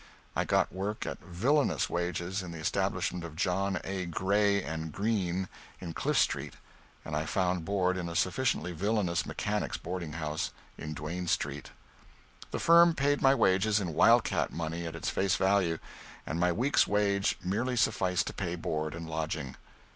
I got work at villainous wages in the establishment of John A. Gray and Green in Cliff Street, and I found board in a sufficiently villainous mechanics' boarding house in Duane Street. The firm paid my wages in wildcat money at its face value, and my week's wage merely sufficed to pay board and lodging.